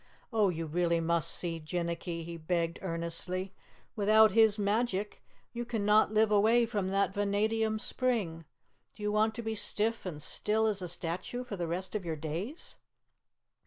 "Oh, you really must see Jinnicky," he begged earnestly. "Without his magic you cannot live away from that Vanadium spring. Do you want to be stiff and still as a statue for the rest of your days?"